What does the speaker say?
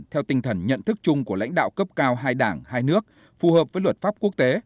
theo tinh thần nhận thức chung của lãnh đạo cấp cao hai đảng hai nước phù hợp với luật pháp quốc tế